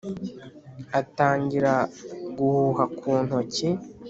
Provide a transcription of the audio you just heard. atangira guhuha ku ntoki,